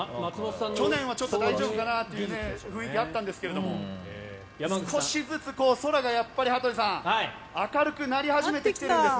去年はちょっと大丈夫かなという雰囲気があったんですが少しずつ空が明るくなり始めてきてるんですね。